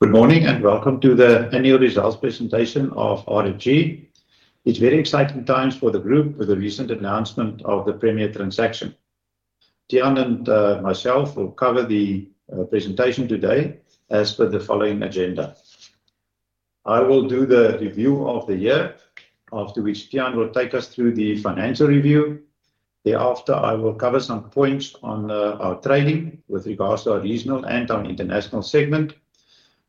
Good morning and welcome to the annual results presentation of RFG. It's very exciting times for the group with the recent announcement of the Premier transaction. Tiaan and myself will cover the presentation today as per the following agenda. I will do the review of the year, after which Tiaan will take us through the financial review. Thereafter, I will cover some points on our trading with regards to our regional and our international segment,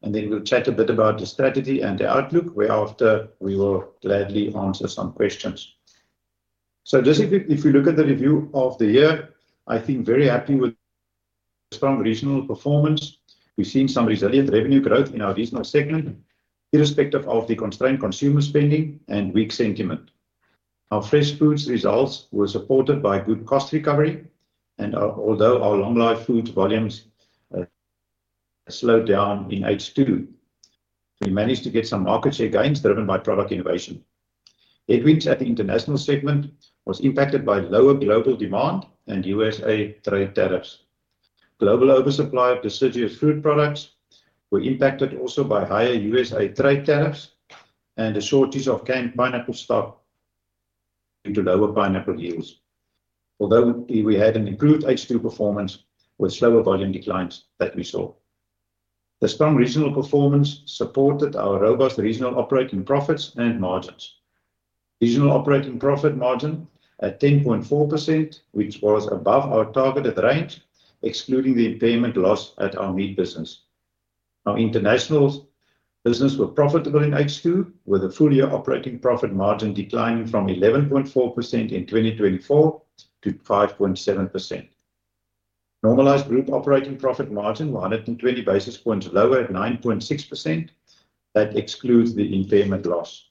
and then we'll chat a bit about the strategy and the outlook. Thereafter, we will gladly answer some questions. Just if you look at the review of the year, I think very happy with strong regional performance. We've seen some resilient revenue growth in our regional segment, irrespective of the constrained consumer spending and weak sentiment. Our fresh foods results were supported by good cost recovery, and although our long-life food volumes slowed down in H2, we managed to get some market share gains driven by product innovation. Headwinds at the international segment were impacted by lower global demand and USA trade tariffs. Global oversupply of deciduous fruit products was impacted also by higher USA trade tariffs and the shortage of canned pineapple stock due to lower pineapple yields, although we had an improved H2 performance with slower volume declines that we saw. The strong regional performance supported our robust regional operating profits and margins. Regional operating profit margin at 10.4%, which was above our targeted range, excluding the impairment loss at our meat business. Our international business was profitable in H2, with a full-year operating profit margin declining from 11.4% in 2024 to 5.7%. Normalized group operating profit margin was 120 basis points lower at 9.6%. That excludes the impairment loss.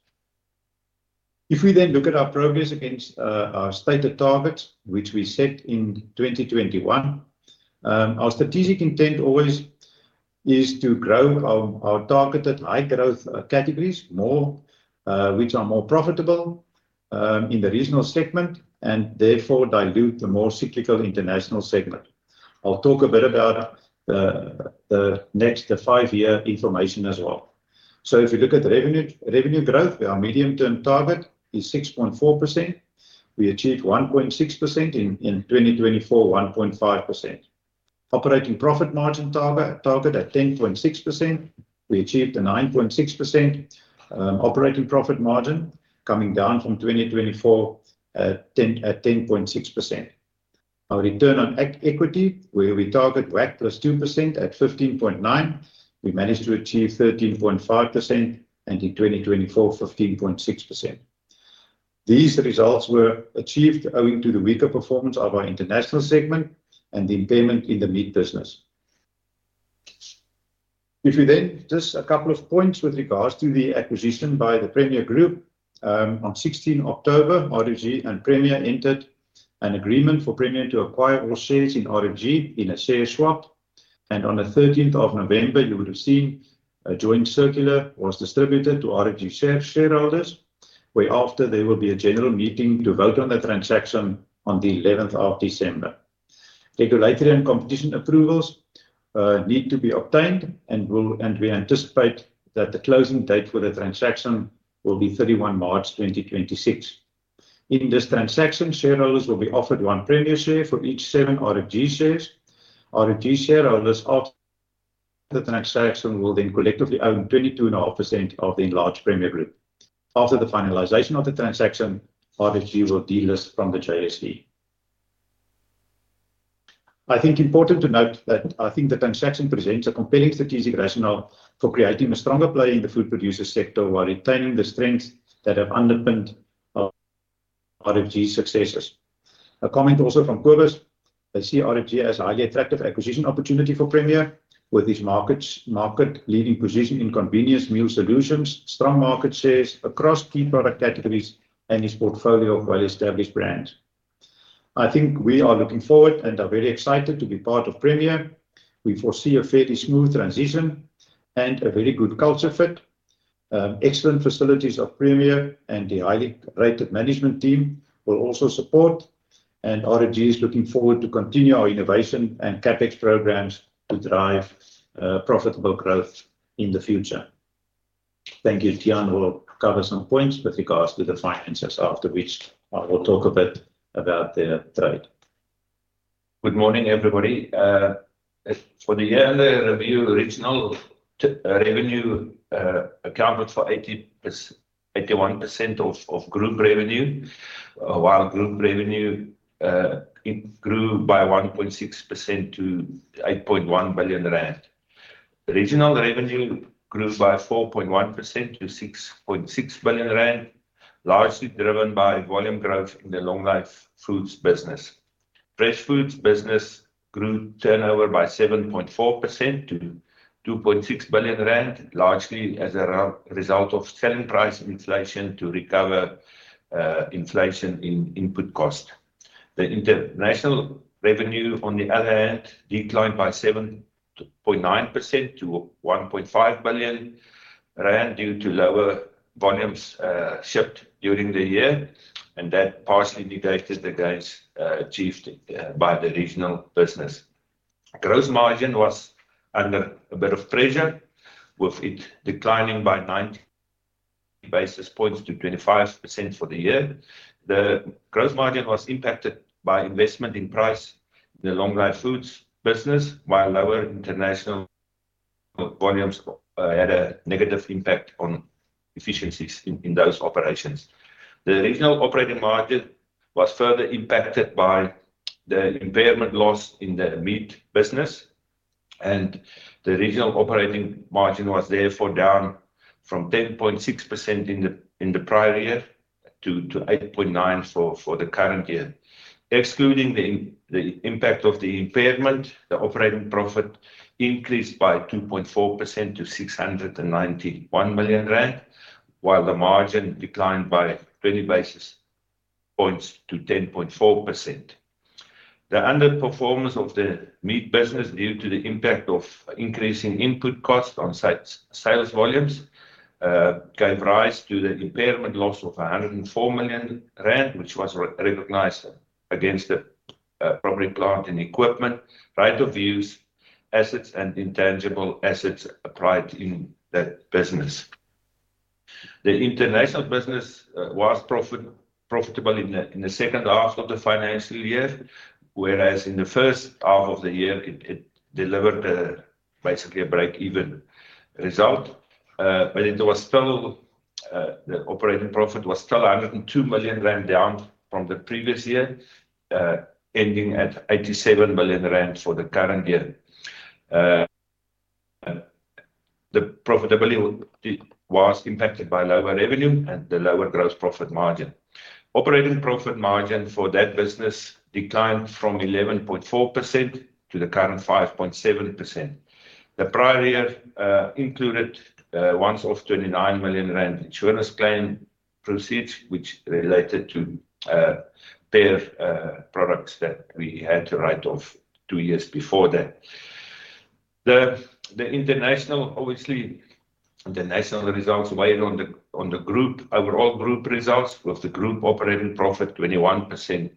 If we then look at our progress against our stated target, which we set in 2021, our strategic intent always is to grow our targeted high-growth categories more, which are more profitable in the regional segment, and therefore dilute the more cyclical international segment. I'll talk a bit about the next five-year information as well. If you look at revenue growth, our medium-term target is 6.4%. We achieved 1.6% in 2024, 1.5%. Operating profit margin target at 10.6%. We achieved a 9.6% operating profit margin, coming down from 2024 at 10.6%. Our return on equity, where we target bank plus 2% at 15.9%, we managed to achieve 13.5%, and in 2024, 15.6%. These results were achieved owing to the weaker performance of our international segment and the impairment in the meat business. If we then just a couple of points with regards to the acquisition by the Premier Group. On 16 October, RFG and Premier entered an agreement for Premier to acquire all shares in RFG in a share swap. On the 13th of November, you would have seen a joint circular was distributed to RFG shareholders, whereafter there will be a general meeting to vote on the transaction on the 11th of December. Regulatory and competition approvals need to be obtained, and we anticipate that the closing date for the transaction will be 31 March 2026. In this transaction, shareholders will be offered one Premier share for each seven RFG shares. RFG shareholders after the transaction will then collectively own 22.5% of the enlarged Premier Group. After the finalization of the transaction, RFG will delist from the JSE. I think important to note that I think the transaction presents a compelling strategic rationale for creating a stronger play in the food producer sector while retaining the strengths that have underpinned RFG successes. A comment also from Kobus. I see RFG as a highly attractive acquisition opportunity for Premier, with its market-leading position in convenience meal solutions, strong market shares across key product categories, and its portfolio of well-established brands. I think we are looking forward and are very excited to be part of Premier. We foresee a fairly smooth transition and a very good culture fit. Excellent facilities of Premier and the highly rated management team will also support, and RFG is looking forward to continue our innovation and CapEx programs to drive profitable growth in the future. Thank you. Tiaan will cover some points with regards to the finances, after which I will talk a bit about the trade. Good morning, everybody. For the year-end review, regional revenue accounted for 81% of group revenue, while group revenue grew by 1.6% to 8.1 billion rand. Regional revenue grew by 4.1% to 6.6 billion rand, largely driven by volume growth in the long-life foods business. Fresh foods business grew turnover by 7.4% to 2.6 billion rand, largely as a result of selling price inflation to recover inflation in input cost. The international revenue, on the other hand, declined by 7.9% to 1.5 billion rand due to lower volumes shipped during the year, and that partially negated the gains achieved by the regional business. Gross margin was under a bit of pressure, with it declining by 90 basis points to 25% for the year. The gross margin was impacted by investment in price in the long-life foods business, while lower international volumes had a negative impact on efficiencies in those operations. The regional operating margin was further impacted by the impairment loss in the meat business, and the regional operating margin was therefore down from 10.6% in the prior year to 8.9% for the current year. Excluding the impact of the impairment, the operating profit increased by 2.4% to 691 million rand, while the margin declined by 20 basis points to 10.4%. The underperformance of the meat business due to the impact of increasing input cost on sales volumes gave rise to the impairment loss of 104 million rand, which was recognized against the property, plant, and equipment, right of use, assets, and intangible assets applied in that business. The international business was profitable in the second half of the financial year, whereas in the first half of the year, it delivered basically a break-even result. It was still the operating profit was still 102 million rand down from the previous year, ending at 87 million rand for the current year. The profitability was impacted by lower revenue and the lower gross profit margin. Operating profit margin for that business declined from 11.4% to the current 5.7%. The prior year included once-off 29 million rand insurance claim proceeds, which related to bare products that we had to write off two years before that. The international, obviously, the national results weighed on the overall group results, with the group operating profit 21%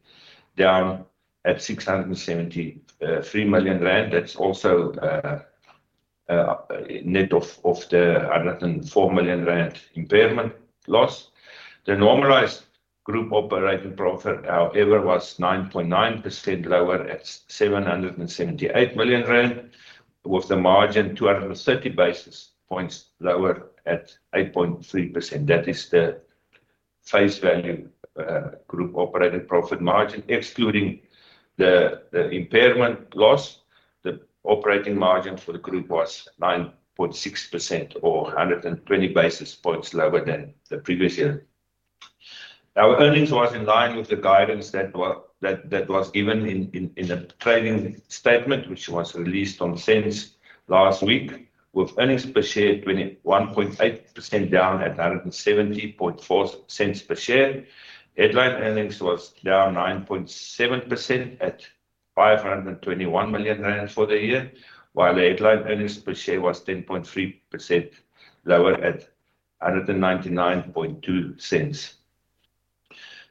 down at 673 million rand. That is also net of the 104 million rand impairment loss. The normalized group operating profit, however, was 9.9% lower at 778 million rand, with the margin 230 basis points lower at 8.3%. That is the face value group operating profit margin. Excluding the impairment loss, the operating margin for the group was 9.6% or 120 basis points lower than the previous year. Our earnings was in line with the guidance that was given in the trading statement, which was released on SENS last week, with earnings per share 21.8% down at 1.704 per share. Headline earnings was down 9.7% at 521 million rand for the year, while the headline earnings per share was 10.3% lower at 1.992.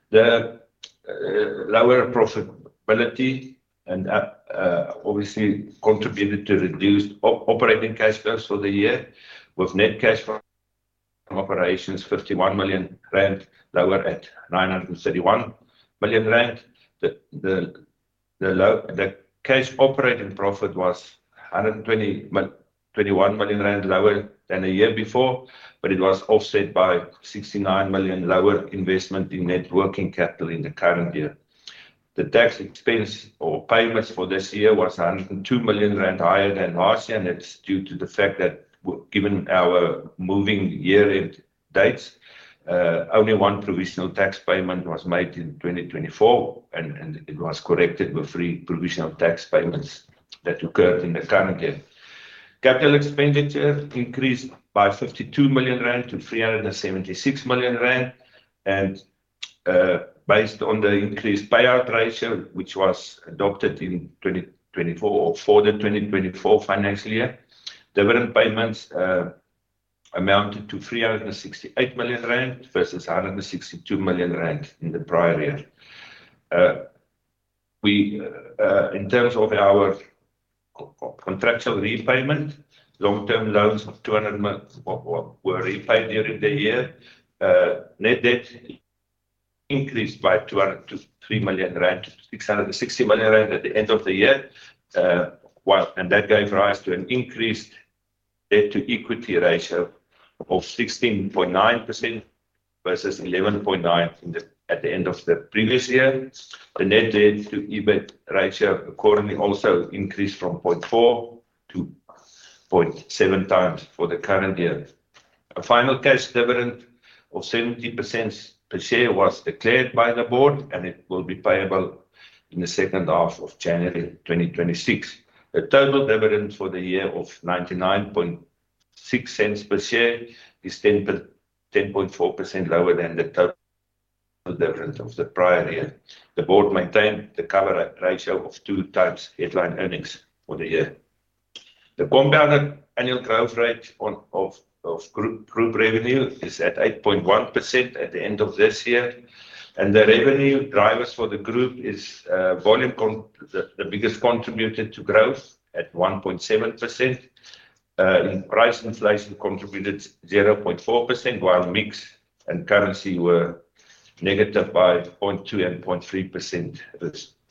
The lower profitability and obviously contributed to reduced operating cash flows for the year, with net cash from operations 51 million rand lower at 931 million rand. The cash operating profit was 121 million rand lower than the year before, but it was offset by 69 million lower investment in networking capital in the current year. The tax expense or payments for this year was 102 million rand higher than last year, and that's due to the fact that, given our moving year-end dates, only one provisional tax payment was made in 2024, and it was corrected with three provisional tax payments that occurred in the current year. Capital expenditure increased by 52 million rand to 376 million rand, and based on the increased payout ratio, which was adopted in 2024 or for the 2024 financial year, dividend payments amounted to 368 million rand versus 162 million rand in the prior year. In terms of our contractual repayment, long-term loans of 200 million were repaid during the year. Net debt increased by 203 million rand to 660 million rand at the end of the year, and that gave rise to an increased debt-to-equity ratio of 16.9% versus 11.9% at the end of the previous year. The net debt-to-EBITDA ratio accordingly also increased from 0.4 to 0.7 times for the current year. A final cash dividend of 0.70 per share was declared by the board, and it will be payable in the second half of January 2026. The total dividend for the year of 0.996 per share is 10.4% lower than the total dividend of the prior year. The board maintained the cover ratio of two times headline earnings for the year. The compounded annual growth rate of group revenue is at 8.1% at the end of this year, and the revenue drivers for the group is volume, the biggest contributor to growth at 1.7%. Price inflation contributed 0.4%, while mix and currency were negative by 0.2% and 0.3%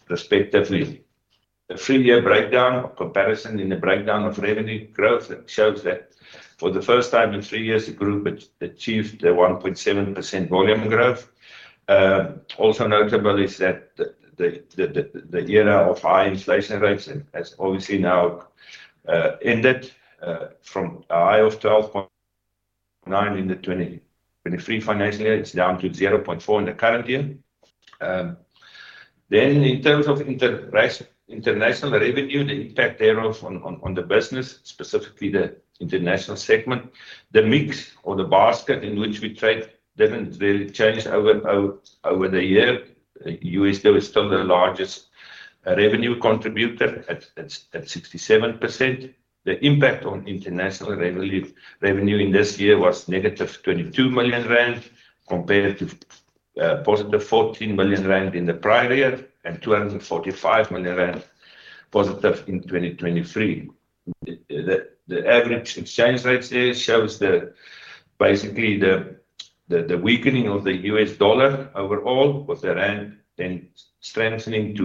respectively. The three-year breakdown comparison in the breakdown of revenue growth shows that for the first time in three years, the group achieved the 1.7% volume growth. Also notable is that the era of high inflation rates has obviously now ended from a high of 12.9% in the 2023 financial year. It is down to 0.4% in the current year. In terms of international revenue, the impact thereof on the business, specifically the international segment, the mix or the basket in which we trade did not really change over the year. USD was still the largest revenue contributor at 67%. The impact on international revenue in this year was -22 million rand compared to positive +14 million rand in the prior year and +245 million rand in 2023. The average exchange rate shows basically the weakening of the U.S. dollar overall, with the rand then strengthening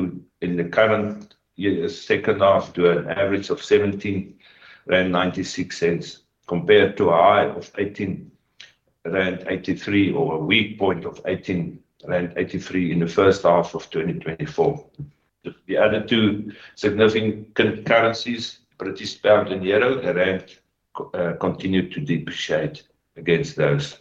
in the current year's second half to an average of 17.96 rand compared to a high of 18.83 rand or a weak point of 18.83 rand in the first half of 2024. The other two significant currencies, British pound and euro, the rand continued to depreciate against those.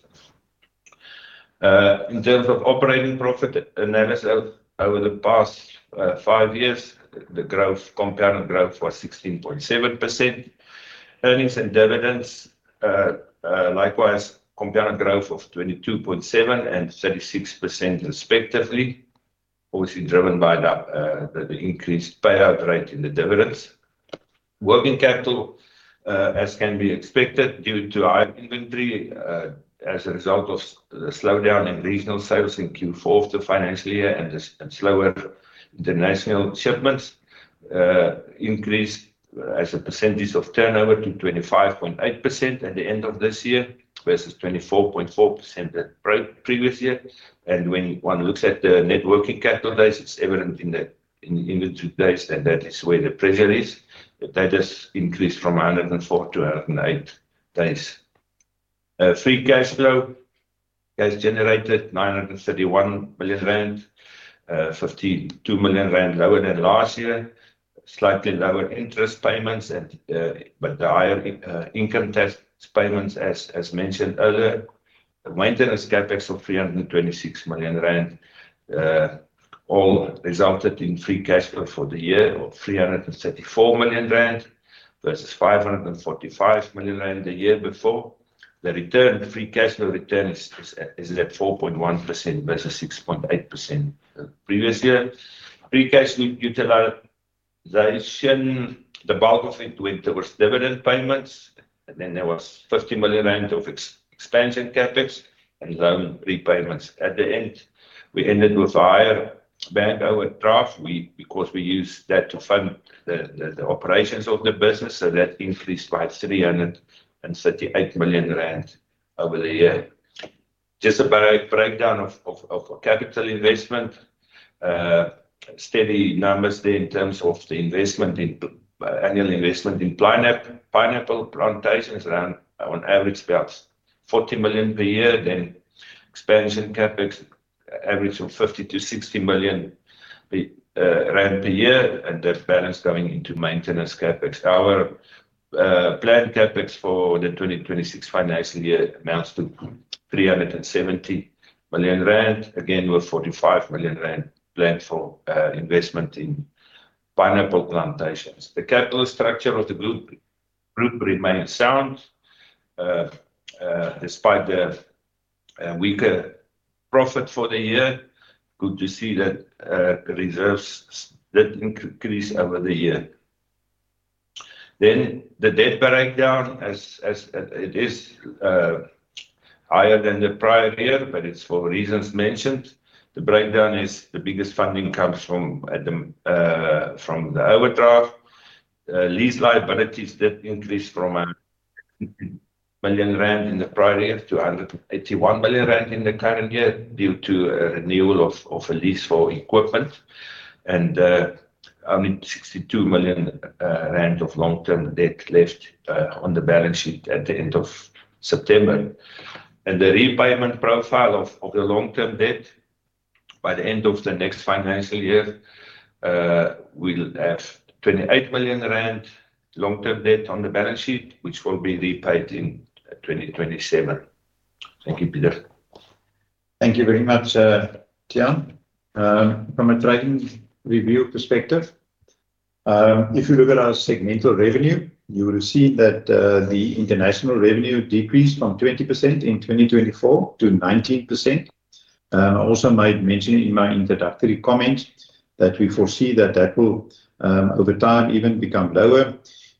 In terms of operating profit analysis over the past five years, the compounded growth was 16.7%. Earnings and dividends, likewise, compounded growth of 22.7% and 36% respectively, obviously driven by the increased payout rate in the dividends. Working capital, as can be expected due to high inventory as a result of the slowdown in regional sales in Q4 of the financial year and slower international shipments, increased as a percentage of turnover to 25.8% at the end of this year versus 24.4% the previous year. When one looks at the networking capital days, it is evident in the inventory days that that is where the pressure is. The data increased from 104 to 108 days. Free cash flow has generated 931 million rand, 52 million rand lower than last year, slightly lower interest payments, but the higher income tax payments, as mentioned earlier. Maintenance CapEx of 326 million rand all resulted in free cash flow for the year of 334 million rand versus 545 million rand the year before. The free cash flow return is at 4.1% versus 6.8% previous year. Pre-cash utilization, the bulk of it went towards dividend payments, and then there was 50 million rand of expansion CapEx and loan repayments. At the end, we ended with a higher bank overdraft because we used that to fund the operations of the business, so that increased by 338 million rand over the year. Just a breakdown of capital investment, steady numbers there in terms of the investment in annual investment in pineapple plantations, around on average about 40 million per year. Then expansion CapEx, average of 50-60 million per year, and that balance going into maintenance CapEx. Our planned CapEx for the 2026 financial year amounts to 370 million rand, again with 45 million rand planned for investment in pineapple plantations. The capital structure of the group remained sound despite the weaker profit for the year. Good to see that reserves did increase over the year. The debt breakdown, as it is higher than the prior year, but it's for reasons mentioned. The breakdown is the biggest funding comes from the overdraft. Lease liabilities did increase from 1 million rand in the prior year to 181 million rand in the current year due to a renewal of a lease for equipment, and 62 million rand of long-term debt left on the balance sheet at the end of September. The repayment profile of the long-term debt by the end of the next financial year, we will have 28 million rand long-term debt on the balance sheet, which will be repaid in 2027. Thank you, Pieter. Thank you very much, Tiaan. From a trading review perspective, if you look at our segmental revenue, you will see that the international revenue decreased from 20% in 2024 to 19%. I also might mention in my introductory comment that we foresee that that will, over time, even become lower.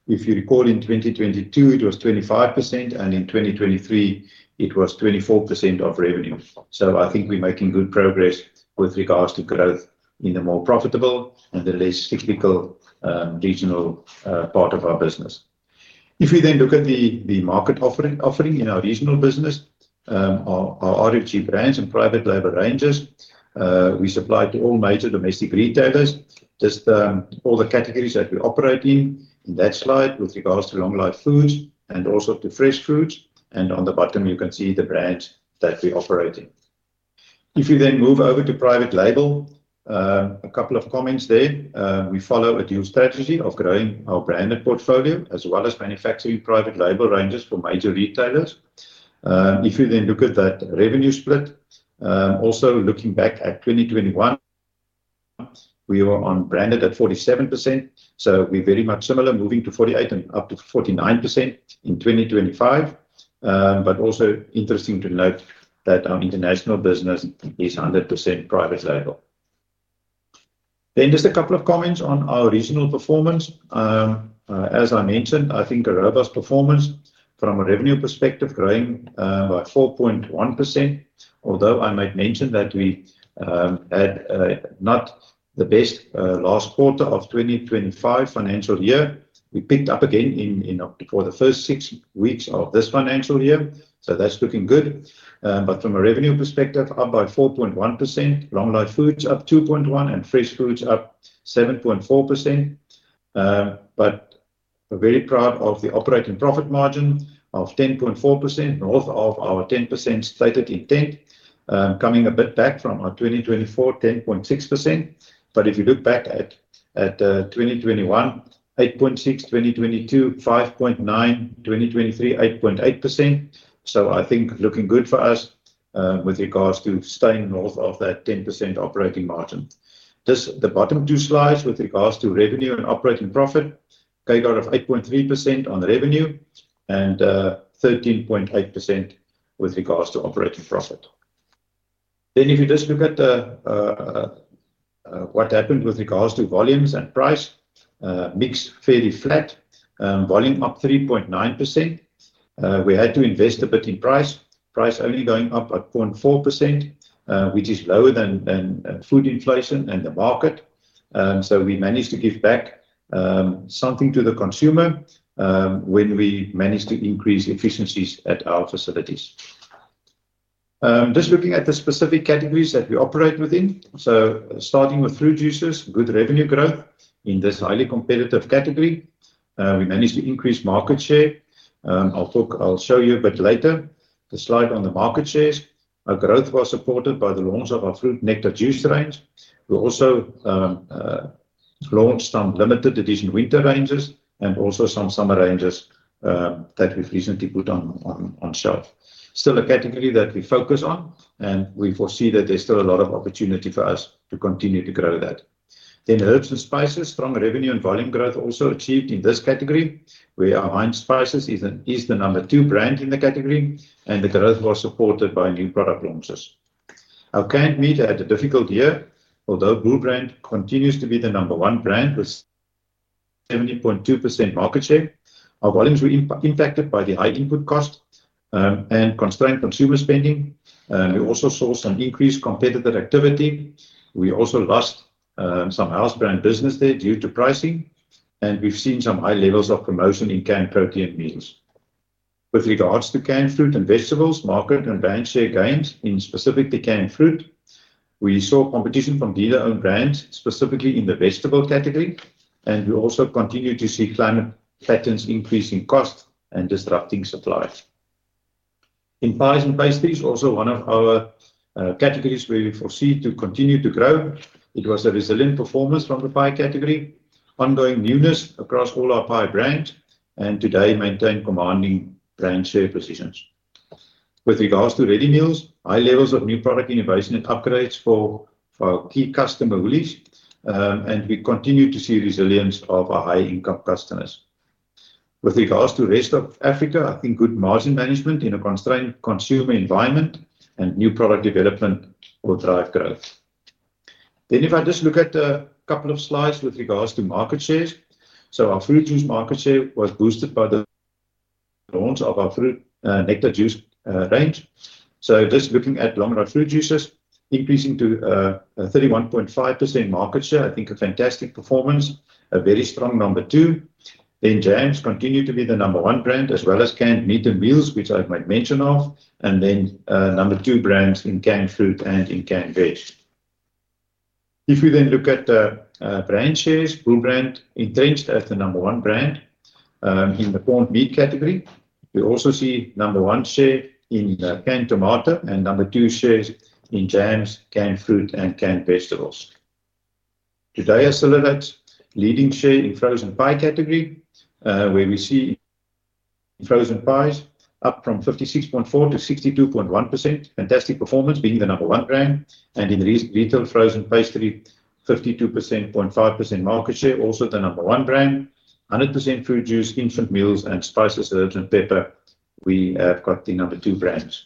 If you recall, in 2022, it was 25%, and in 2023, it was 24% of revenue. I think we are making good progress with regards to growth in the more profitable and the less cyclical regional part of our business. If we then look at the market offering in our regional business, our RFG brands and private label ranges, we supply to all major domestic retailers. All the categories that we operate in, in that slide, with regards to long life foods and also to fresh foods. On the bottom, you can see the brands that we operate in. If you then move over to private label, a couple of comments there. We follow a dual strategy of growing our branded portfolio as well as manufacturing private label ranges for major retailers. If you then look at that revenue split, also looking back at 2021, we were on branded at 47%. We're very much similar moving to 48% and up to 49% in 2025. Also interesting to note that our international business is 100% private label. Then just a couple of comments on our regional performance. As I mentioned, I think a robust performance from a revenue perspective, growing by 4.1%. Although I might mention that we had not the best last quarter of the 2025 financial year, we picked up again for the first six weeks of this financial year. That's looking good. From a revenue perspective, up by 4.1%, long life foods up 2.1%, and fresh foods up 7.4%. We're very proud of the operating profit margin of 10.4%, north of our 10% stated intent, coming a bit back from our 2024 10.6%. If you look back at 2021, 8.6%, 2022, 5.9%, 2023, 8.8%. I think looking good for us with regards to staying north of that 10% operating margin. The bottom two slides with regards to revenue and operating profit, take out of 8.3% on revenue and 13.8% with regards to operating profit. If you just look at what happened with regards to volumes and price, mix fairly flat, volume up 3.9%. We had to invest a bit in price, price only going up at 0.4%, which is lower than food inflation and the market. We managed to give back something to the consumer when we managed to increase efficiencies at our facilities. Looking at the specific categories that we operate within. Starting with fruit juices, good revenue growth in this highly competitive category. We managed to increase market share. I'll show you a bit later the slide on the market shares. Our growth was supported by the launch of our fruit nectar juice range. We also launched some limited edition winter ranges and also some summer ranges that we've recently put on shelf. Still a category that we focus on, and we foresee that there's still a lot of opportunity for us to continue to grow that. Then herbs and spices, strong revenue and volume growth also achieved in this category. Where Heinz Spices, is the number two brand in the category, and the growth was supported by new product launches. Our canned meat had a difficult year, although Bull Brand continues to be the number one brand with 70.2% market share. Our volumes were impacted by the high input cost and constrained consumer spending. We also saw some increased competitive activity. We also lost some house brand business there due to pricing, and we've seen some high levels of promotion in canned protein meals. With regards to canned fruit and vegetables, market and brand share gains in specifically canned fruit. We saw competition from dealer-owned brands, specifically in the vegetable category, and we also continue to see climate patterns increasing costs and disrupting supplies. In pies and pastries, also one of our categories where we foresee to continue to grow. It was a resilient performance from the pie category, ongoing newness across all our pie brands, and today maintain commanding brand share positions. With regards to ready meals, high levels of new product innovation and upgrades for our key customer Woolworths, and we continue to see resilience of our high-income customers. With regards to Rest of Africa, I think good margin management in a constrained consumer environment and new product development will drive growth. If I just look at a couple of slides with regards to market shares, our fruit juice market share was boosted by the launch of our fruit nectar juice range. Just looking at long life fruit juices, increasing to 31.5% market share, I think a fantastic performance, a very strong number two. Jams continue to be the number one brand, as well as canned meat and meals, which I might mention off, and then number two brands in canned fruit and in canned veg. If we look at the brand shares, Bull Brand entrenched as the number one brand in the canned meat category. We also see number one share in canned tomato and number two shares in jams, canned fruit, and canned vegetables. Today, a silhouette leading share in frozen pie category, where we see frozen pies up from 56.4% to 62.1%, fantastic performance being the number one brand. In retail frozen pastry, 52.5% market share, also the number one brand, 100% fruit juice, infant meals, and spices, herbs, and pepper. We have got the number two brands.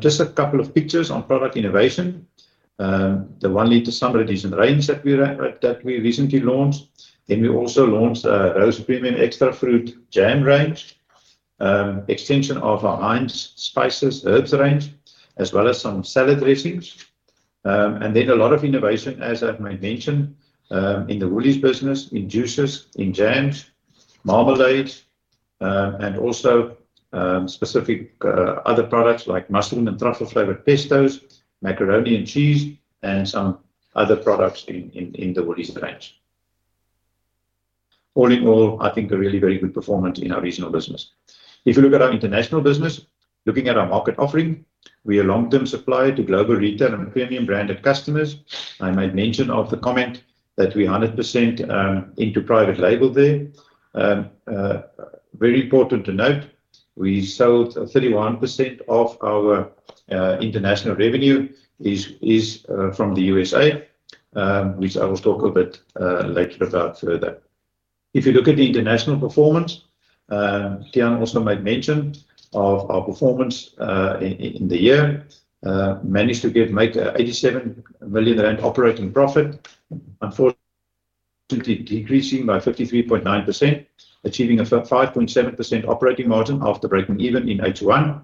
Just a couple of pictures on product innovation. The one-liter summer edition range that we recently launched. We also launched a Rose's Premium Extra Fruit Jam range, extension of our Heinz Spices Herbs range, as well as some salad dressings. A lot of innovation, as I might mention, in the Woolies business, in juices, in jams, marmalades, and also specific other products like mushroom and truffle-flavored pestos, macaroni and cheese, and some other products in the Woolies range. All in all, I think a really very good performance in our regional business. If you look at our international business, looking at our market offering, we are long-term supply to global retail and premium branded customers. I might mention the comment that we are 100% into private label there. Very important to note, we sold 31% of our international revenue is from the USA, which I will talk a bit later about further. If you look at the international performance, Tiaan also might mention of our performance in the year, managed to make 87 million rand operating profit, unfortunately decreasing by 53.9%, achieving a 5.7% operating margin after breaking even in [2021].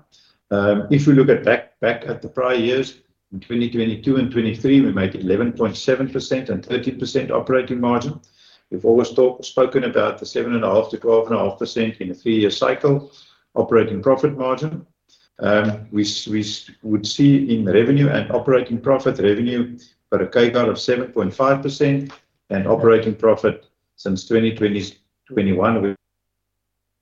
If we look back at the prior years, in 2022 and 2023, we made 11.7% and 13% operating margin. We've always spoken about the 7.5%-12.5% in a three-year cycle operating profit margin. We would see in revenue and operating profit revenue for a caveat of 7.5% and operating profit since 2021,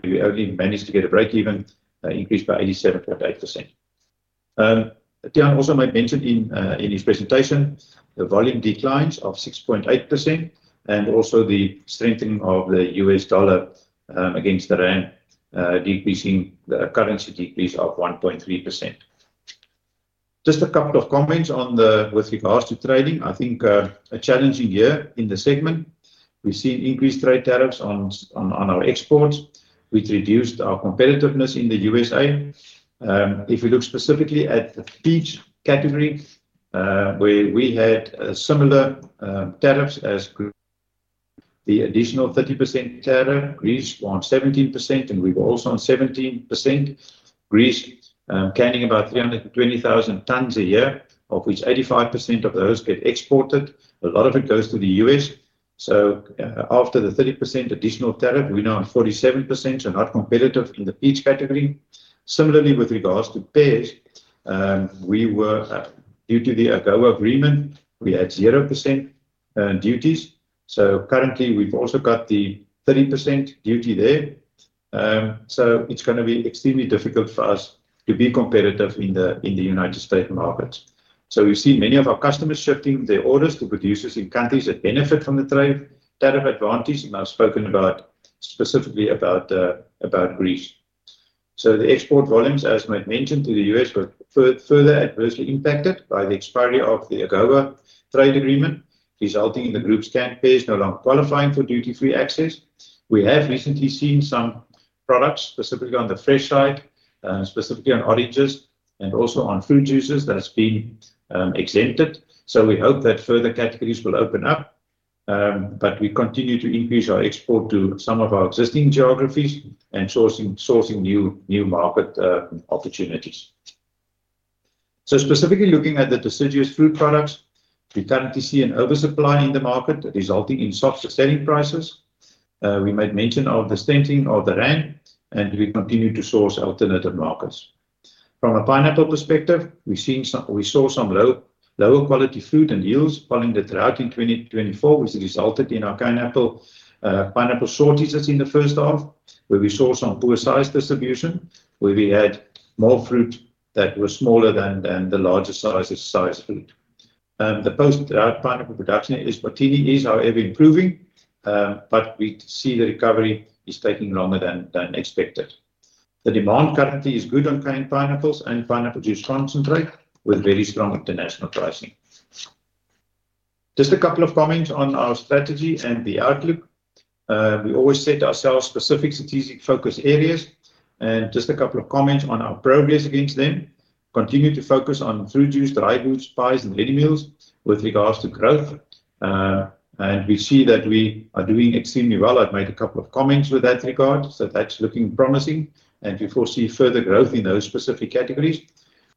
we only managed to get a break-even increase by 87.8%. Tiaan also might mention in his presentation the volume declines of 6.8% and also the strengthening of the U.S. dollar against the rand, decreasing the currency decrease of 1.3%. Just a couple of comments with regards to trading. I think a challenging year in the segment. We've seen increased trade tariffs on our exports, which reduced our competitiveness in the USA. If we look specifically at the peach category, where we had similar tariffs as the additional 30% tariff, Greece was on 17%, and we were also on 17%. Greece canning about 320,000 tons a year, of which 85% of those get exported. A lot of it goes to the U.S. After the 30% additional tariff, we're now on 47%, so not competitive in the peach category. Similarly, with regards to pears, we were, due to the AGOA agreement, we had 0% duties. Currently, we've also got the 30% duty there. It's going to be extremely difficult for us to be competitive in the United States market. We have seen many of our customers shifting their orders to producers in countries that benefit from the trade tariff advantage, and I have spoken specifically about Greece. The export volumes, as I might mention, to the U.S. were further adversely impacted by the expiry of the AGOA trade agreement, resulting in the group's canned pears no longer qualifying for duty-free access. We have recently seen some products, specifically on the fresh side, specifically on oranges and also on fruit juices, that have been exempted. We hope that further categories will open up. We continue to increase our export to some of our existing geographies and are sourcing new market opportunities. Specifically looking at the deciduous fruit products, we currently see an oversupply in the market resulting in soft selling prices. We might mention the strengthening of the rand, and we continue to source alternative markets. From a pineapple perspective, we saw some lower quality fruit and yields following the drought in 2024, which resulted in our pineapple shortages in the first half, where we saw some poor size distribution, where we had more fruit that was smaller than the larger size fruit. The post-drought pineapple production at Isipingo is, however, improving, but we see the recovery is taking longer than expected. The demand currently is good on canned pineapples and pineapple juice concentrate with very strong international pricing. Just a couple of comments on our strategy and the outlook. We always set ourselves specific strategic focus areas, and just a couple of comments on our progress against them. Continue to focus on fruit juice, dry goods, pies, and ready meals with regards to growth, and we see that we are doing extremely well. I've made a couple of comments with that regard, so that's looking promising, and we foresee further growth in those specific categories.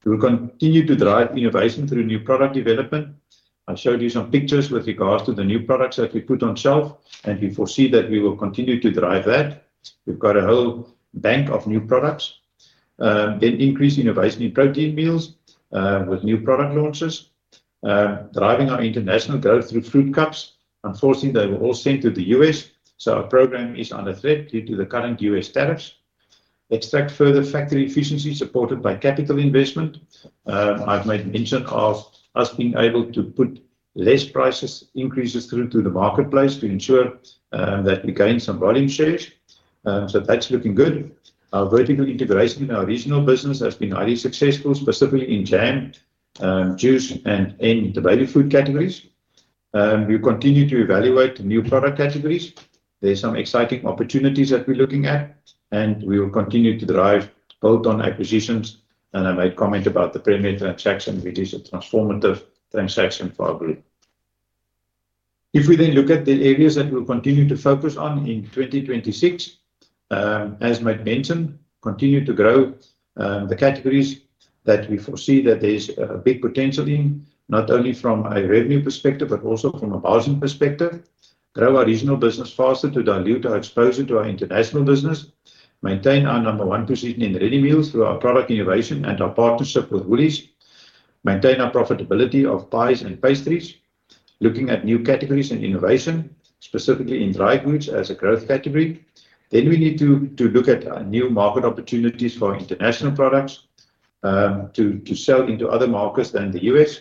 We will continue to drive innovation through new product development. I showed you some pictures with regards to the new products that we put on shelf, and we foresee that we will continue to drive that. We've got a whole bank of new products. Increase innovation in protein meals with new product launches, driving our international growth through fruit cups. Unfortunately, they were all sent to the U.S., so our program is under threat due to the current U.S. tariffs. Extract further factory efficiency supported by capital investment. I've made mention of us being able to put fewer price increases through to the marketplace to ensure that we gain some volume shares. That's looking good. Our vertical integration in our regional business has been highly successful, specifically in jam, juice, and baby food categories. We continue to evaluate new product categories. There are some exciting opportunities that we're looking at, and we will continue to drive both on acquisitions. I might comment about the Premier transaction, which is a transformative transaction for our group. If we then look at the areas that we'll continue to focus on in 2026, as I might mention, continue to grow the categories that we foresee that there's a big potential in, not only from a revenue perspective but also from a margin perspective. Grow our regional business faster to dilute our exposure to our international business. Maintain our number one position in ready meals through our product innovation and our partnership with Woolies. Maintain our profitability of pies and pastries. Looking at new categories and innovation, specifically in dry goods as a growth category. Then we need to look at new market opportunities for international products to sell into other markets than the U.S.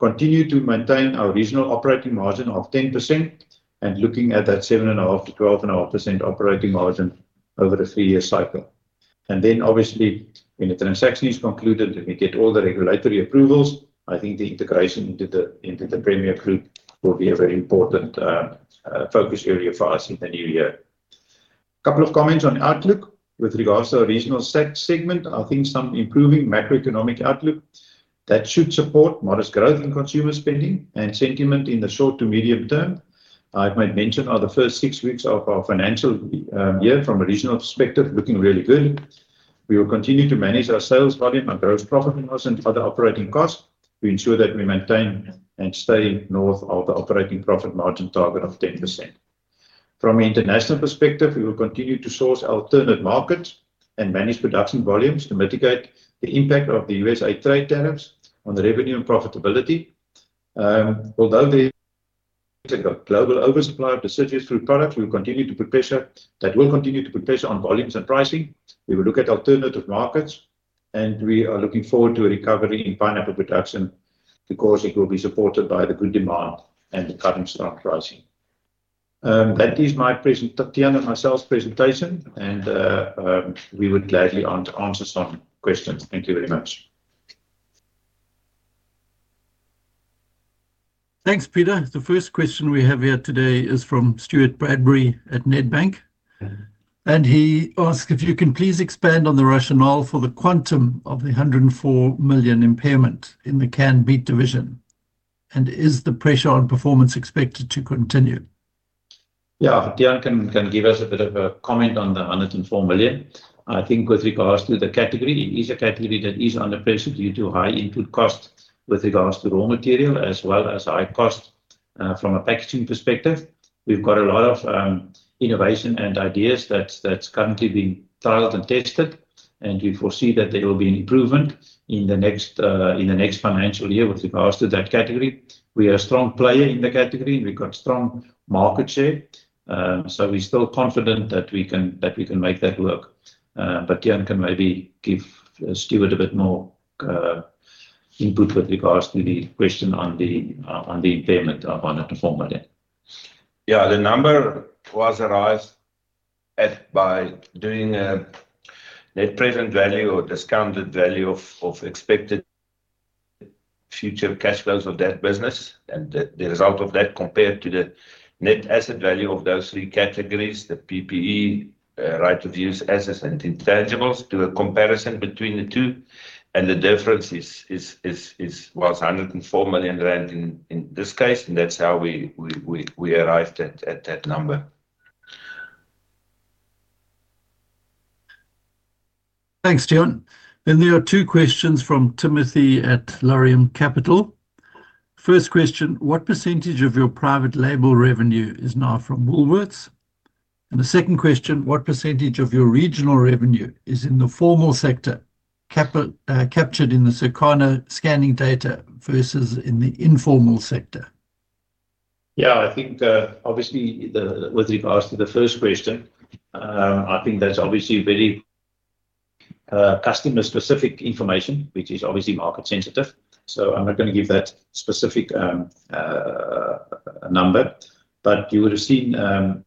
Continue to maintain our regional operating margin of 10% and looking at that 7.5%-12.5% operating margin over a three-year cycle. Obviously, when the transaction is concluded and we get all the regulatory approvals, I think the integration into the Premier Group will be a very important focus area for us in the new year. A couple of comments on outlook with regards to our regional segment. I think some improving macroeconomic outlook that should support modest growth in consumer spending and sentiment in the short to medium term. I might mention our first six weeks of our financial year from a regional perspective looking really good. We will continue to manage our sales volume, our gross profit margin, and other operating costs to ensure that we maintain and stay north of the operating profit margin target of 10%. From an international perspective, we will continue to source alternate markets and manage production volumes to mitigate the impact of the USA trade tariffs on the revenue and profitability. Although there is a global oversupply of deciduous fruit products, we will continue to put pressure that will continue to put pressure on volumes and pricing. We will look at alternative markets, and we are looking forward to a recovery in pineapple production because it will be supported by the good demand and the current stock pricing. That is my, Tiaan and myself's presentation, and we would gladly answer some questions. Thank you very much. Thanks, Pieter. The first question we have here today is from Stuart Bradbury at Nedbank, and he asks if you can please expand on the rationale for the quantum of the 104 million impairment in the canned meat division, and is the pressure on performance expected to continue? Yeah, Tiaan can give us a bit of a comment on the 104 million. I think with regards to the category, it is a category that is under pressure due to high input costs with regards to raw material as well as high costs from a packaging perspective. We've got a lot of innovation and ideas that's currently being trialed and tested, and we foresee that there will be an improvement in the next financial year with regards to that category. We are a strong player in the category, and we've got strong market share, so we're still confident that we can make that work. Tiaan can maybe give Stuart a bit more input with regards to the question on the impairment of 104 million. Yeah, the number was arrived at by doing a net present value or discounted value of expected future cash flows of that business, and the result of that compared to the net asset value of those three categories, the PPE, right of use assets, and intangibles, do a comparison between the two, and the difference was 104 million rand in this case, and that's how we arrived at that number. Thanks, Tiaan. There are two questions from Timothy at Laurium Capital. First question, what percentage of your private label revenue is now from Woolworths? The second question, what percentage of your regional revenue is in the formal sector captured in the Circana scanning data versus in the informal sector? Yeah, I think obviously with regards to the first question, I think that's obviously very customer-specific information, which is obviously market sensitive. I am not going to give that specific number, but you would have seen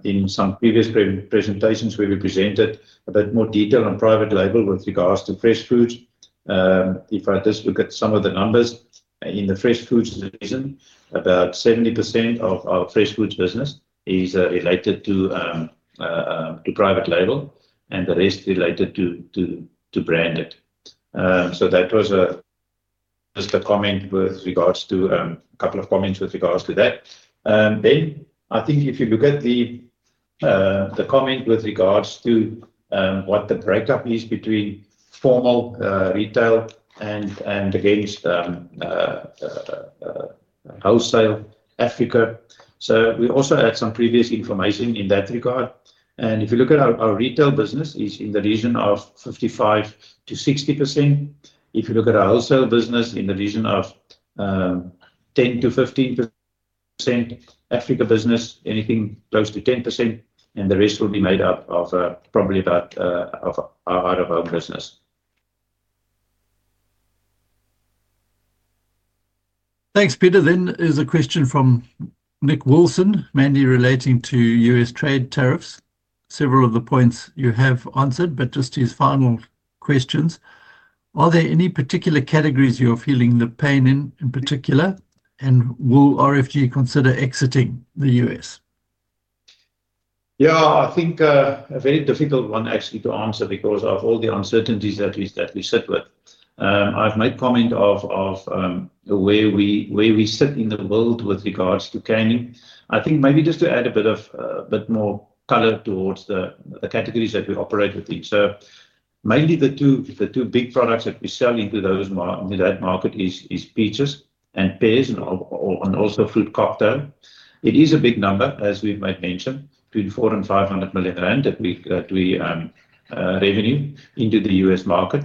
in some previous presentations where we presented a bit more detail on private label with regards to fresh foods. If I just look at some of the numbers in the fresh foods division, about 70% of our fresh foods business is related to private label, and the rest related to branded. That was just a comment with regards to a couple of comments with regards to that. I think if you look at the comment with regards to what the breakup is between formal retail and against wholesale Africa. We also had some previous information in that regard. If you look at our retail business, it's in the region of 55%-60%. If you look at our wholesale business, in the region of 10%-15%, Africa business, anything close to 10%, and the rest will be made up of probably about half of our business. Thanks, Pieter. There is a question from Nick Wilson, mainly relating to U.S. trade tariffs. Several of the points you have answered, but just his final questions. Are there any particular categories you're feeling the pain in in particular, and will RFG consider exiting the U.S.? I think a very difficult one actually to answer because of all the uncertainties that we sit with. I've made comment of where we sit in the world with regards to canning. I think maybe just to add a bit more color towards the categories that we operate within. Mainly the two big products that we sell into that market are peaches and pears, and also fruit cocktail. It is a big number, as we might mention, between 400 million and 500 million rand that we revenue into the U.S. market.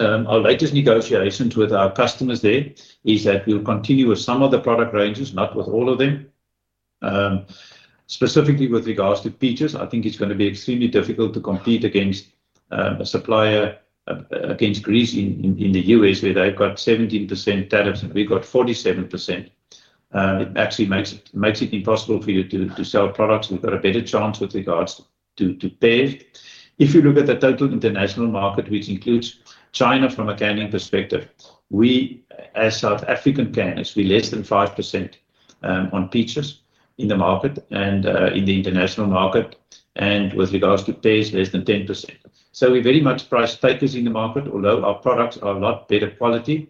Our latest negotiations with our customers there is that we'll continue with some of the product ranges, not with all of them. Specifically with regards to peaches, I think it's going to be extremely difficult to compete against a supplier against Greece in the U.S., where they've got 17% tariffs, and we've got 47%. It actually makes it impossible for you to sell products. We've got a better chance with regards to pears. If you look at the total international market, which includes China from a canning perspective, we, as South African canners, are less than 5% on peaches in the market and in the international market, and with regards to pears, less than 10%. We very much prioritize peaches in the market, although our products are a lot better quality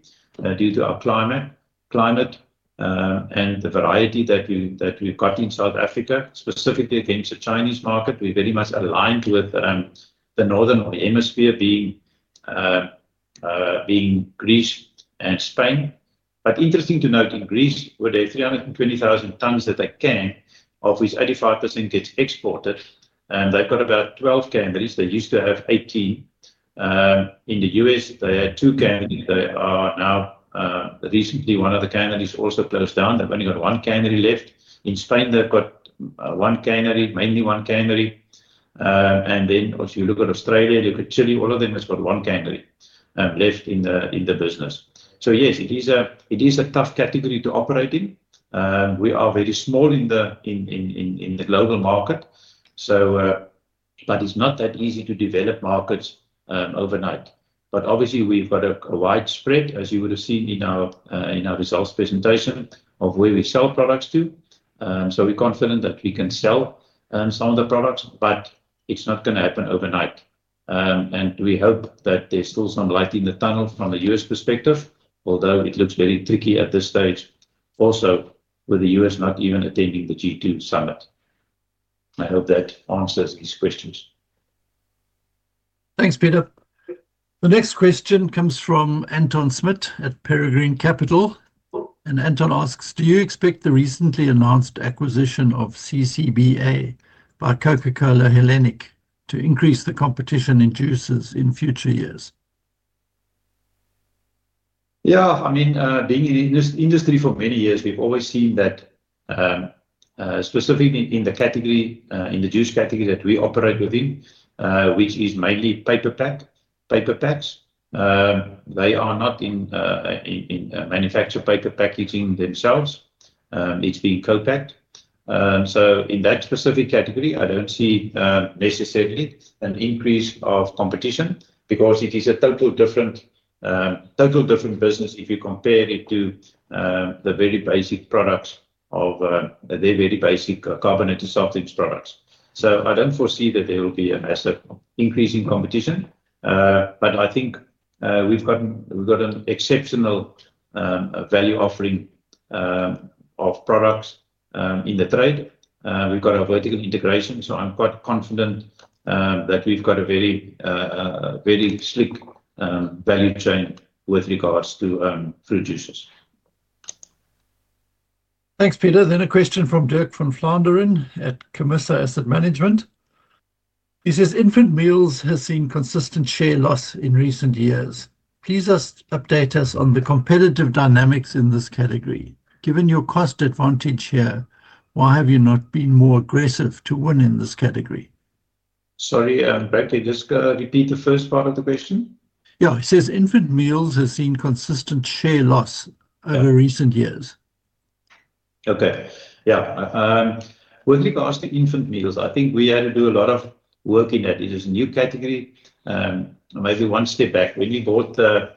due to our climate and the variety that we have in South Africa, specifically against the Chinese market. We are very much aligned with the northern hemisphere, being Greece and Spain. It is interesting to note, in Greece, where there are 320,000 tons that are canned, of which 85% gets exported, and they have about 12 canneries. They used to have 18. In the U.S., they had two canneries. Recently, one of the canneries also closed down. They have only one cannery left. In Spain, they've got one cannery, mainly one cannery. If you look at Australia, look at Chile, all of them have got one cannery left in the business. Yes, it is a tough category to operate in. We are very small in the global market, but it's not that easy to develop markets overnight. Obviously, we've got a wide spread, as you would have seen in our results presentation, of where we sell products to. We're confident that we can sell some of the products, but it's not going to happen overnight. We hope that there's still some light in the tunnel from a U.S. perspective, although it looks very tricky at this stage, also with the U.S. not even attending the [G20] summit. I hope that answers these questions. Thanks, Pieter. The next question comes from Anton Smit at Peregrine Capital. Anton asks, do you expect the recently announced acquisition of CCBA by Coca-Cola Hellenic to increase the competition in juices in future years? Yeah, I mean, being in the industry for many years, we've always seen that specifically in the category, in the juice category that we operate within, which is mainly paper packs. They are not in manufactured paper packaging themselves. It's being co-packed. In that specific category, I don't see necessarily an increase of competition because it is a total different business if you compare it to the very basic products of their very basic carbonated soft drinks products. I don't foresee that there will be an increase in competition, but I think we've got an exceptional value offering of products in the trade. We've got our vertical integration, so I'm quite confident that we've got a very slick value chain with regards to fruit juices. Thanks, Pieter. A question from Dirk von Flandren at Camissa Asset Management. He says, infant meals has seen consistent share loss in recent years. Please update us on the competitive dynamics in this category. Given your cost advantage here, why have you not been more aggressive to win in this category? Sorry, [Bradley], just repeat the first part of the question? Yeah, he says, infant meals has seen consistent share loss over recent years. Okay, yeah. With regards to infant meals, I think we had to do a lot of work in that it is a new category. Maybe one step back, when we bought the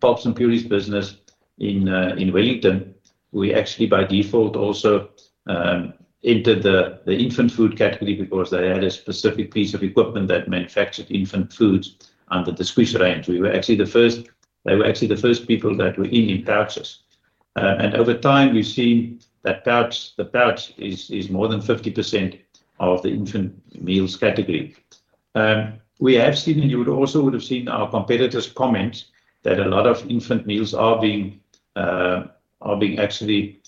Pops and Purées business in Wellington, we actually by default also entered the infant food category because they had a specific piece of equipment that manufactured infant foods under the Squish range. We were actually the first; they were actually the first people that were in pouches. Over time, we've seen that pouch is more than 50% of the infant meals category. We have seen, and you would also have seen our competitors comment that a lot of infant meals are being actually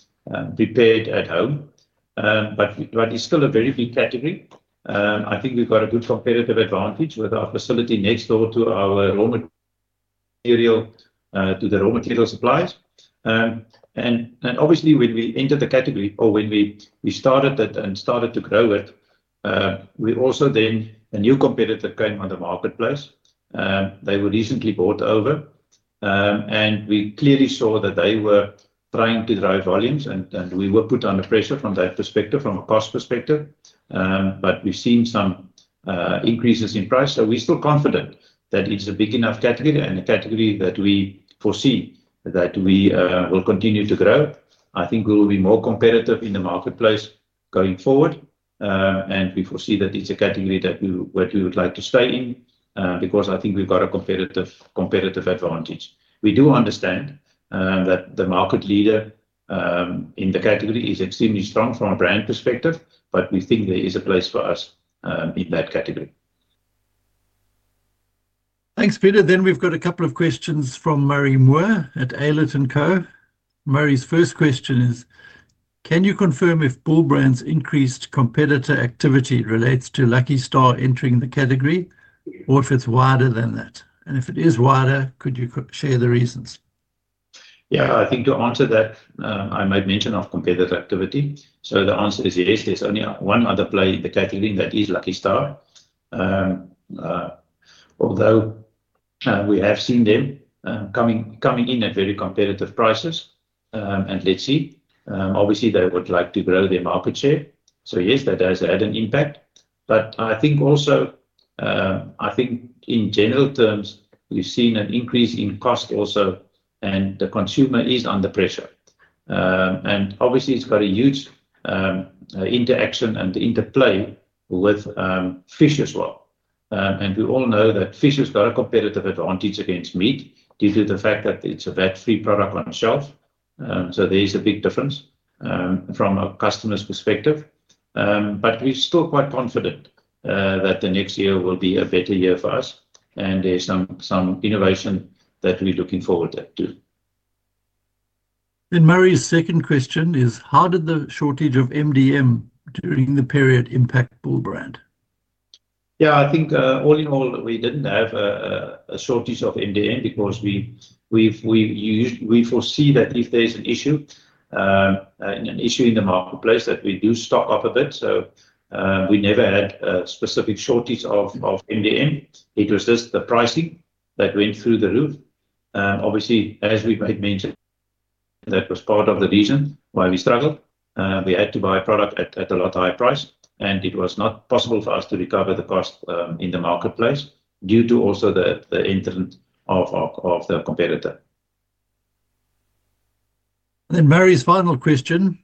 prepared at home, but it is still a very big category. I think we've got a good competitive advantage with our facility next door to our raw material, to the raw material supplies. Obviously, when we entered the category or when we started that and started to grow it, we also then had a new competitor come on the marketplace. They were recently bought over, and we clearly saw that they were trying to drive volumes, and we were put under pressure from that perspective, from a cost perspective. We have seen some increases in price, so we are still confident that it is a big enough category and a category that we foresee we will continue to grow. I think we will be more competitive in the marketplace going forward, and we foresee that it is a category that we would like to stay in because I think we have got a competitive advantage. We do understand that the market leader in the category is extremely strong from a brand perspective, but we think there is a place for us in that category. Thanks, Pieter. We've got a couple of questions from Murray Moore at Aylett & Co. Murray's first question is, can you confirm if Bull Brand's increased competitor activity relates to Lucky Star entering the category, or if it's wider than that? If it is wider, could you share the reasons? Yeah, I think to answer that, I might mention competitor activity. The answer is yes. There's only one other player in the category, that is Lucky Star, although we have seen them coming in at very competitive prices, and let's see. Obviously, they would like to grow their market share. Yes, that has had an impact. I think also, in general terms, we've seen an increase in cost also, and the consumer is under pressure. Obviously, it's got a huge interaction and interplay with fish as well. We all know that fish has got a competitive advantage against meat due to the fact that it is a VAT-free product on the shelf. There is a big difference from a customer's perspective. We are still quite confident that the next year will be a better year for us, and there is some innovation that we are looking forward to. Murray's second question is, how did the shortage of MDM during the period impact Bull Brand? I think all in all, we did not have a shortage of MDM because we foresee that if there is an issue in the marketplace, we do stock up a bit. We never had a specific shortage of MDM. It was just the pricing that went through the roof. Obviously, as we might mention, that was part of the reason why we struggled. We had to buy product at a lot higher price, and it was not possible for us to recover the cost in the marketplace due to also the entrance of the competitor. Murray's final question,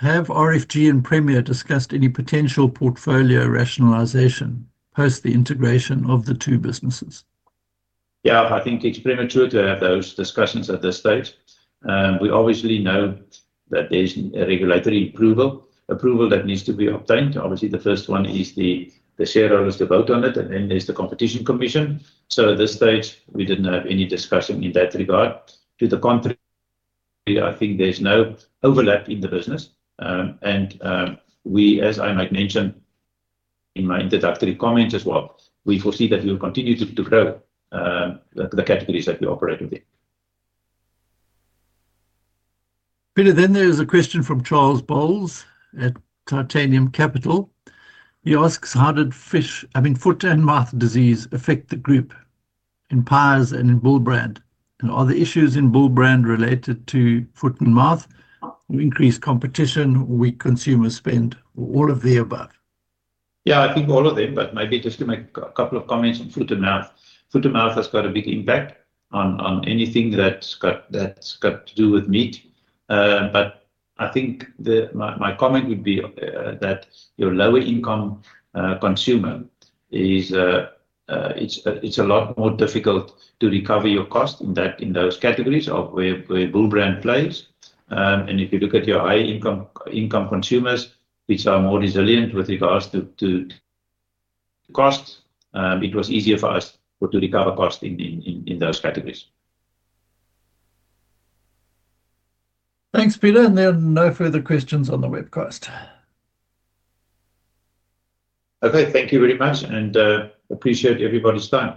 have RFG and Premier discussed any potential portfolio rationalization post the integration of the two businesses? I think it's premature to have those discussions at this stage. We obviously know that there's a regulatory approval that needs to be obtained. Obviously, the first one is the shareholders to vote on it, and then there's the competition commission. At this stage, we didn't have any discussion in that regard. To the contrary, I think there's no overlap in the business. As I might mention in my introductory comments as well, we foresee that we will continue to grow the categories that we operate within. Peter, there is a question from Charles Bowles at Titanium Capital. He asks, how did fish, I mean, foot and mouth disease affect the group in pears and in Bull Brand? And are the issues in Bull Brand related to foot and mouth? Increased competition, weak consumer spend, all of the above? Yeah, I think all of them, but maybe just to make a couple of comments on foot and mouth. Foot and mouth has got a big impact on anything that has to do with meat. I think my comment would be that your lower-income consumer, it is a lot more difficult to recover your cost in those categories where Bull Brand plays. If you look at your high-income consumers, which are more resilient with regards to cost, it was easier for us to recover cost in those categories. Thanks, Pieter. There are no further questions on the webcast. Thank you very much, and appreciate everybody's time.